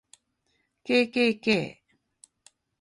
kkk